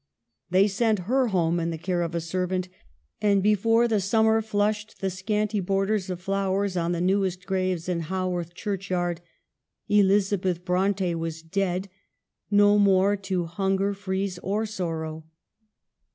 They sent her home in the care of a servant ; and before the summer flushed the scanty borders of flow ers on the newest graves in Haworth church yard, Elizabeth Bronte was dead, no more to hunger, freeze, or sorrow.